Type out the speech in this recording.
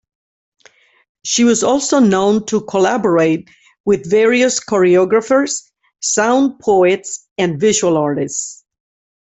She was also known to collaborate with various choreographers, sound poets, and visual artists.